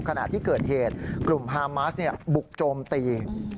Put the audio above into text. ขณะที่เกิดเหตุกลุ่มฮามาสบุกโจมตี